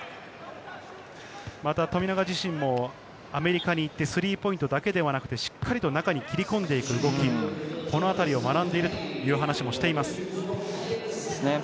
富永自身もアメリカに行って、スリーポイントだけではなく、しっかりと中に切り込んで行く動き、このあたりを学んでいると話しています。